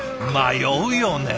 迷うよね